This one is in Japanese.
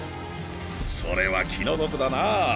それは気の毒だなぁ。